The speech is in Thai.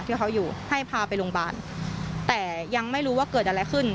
ที่เขาอยู่ให้พาไปโรงพยาบาลแต่ยังไม่รู้ว่าเกิดอะไรขึ้น